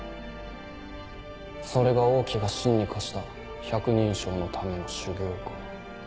それが王騎が信に課した百人将のための修業か。